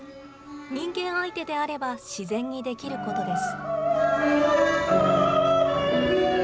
人間相手であれば自然にできることです。